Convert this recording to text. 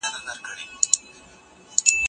هغه څېړونکی چي ډېر لولي بریالی کېږي.